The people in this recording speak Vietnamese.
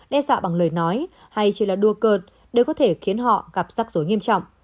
đe dọa bằng lời nói hay chỉ là đua cơn đều có thể khiến họ gặp rắc rối nghiêm trọng